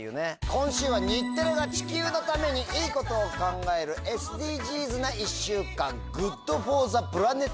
今週は日テレが地球のためにいいことを考えるＳＤＧｓな１週間ＧｏｏｄＦｏｒｔｈｅＰｌａｎｅｔ